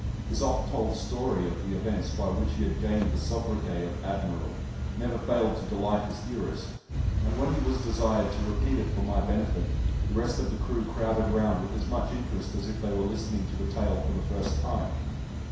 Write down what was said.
His oft told story of the events by which he had gained the sobriquet of "Admiral" never failed to delight his hearers, and when he was desired to repeat it for my benefit, the rest of the crew crowded round with as much interest as if they were listening to the tale for the first time.